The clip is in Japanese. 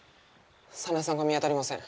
早苗さんが見当たりません。